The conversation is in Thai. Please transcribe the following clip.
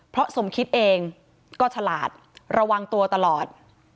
เพราะสมคิดเองก็ฉลาดระวังตัวตลอด